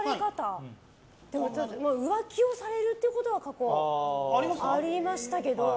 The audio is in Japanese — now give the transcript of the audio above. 浮気をされるということは過去、ありましたけど。